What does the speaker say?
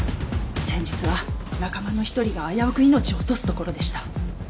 先日は仲間の一人が危うく命を落とすところでした。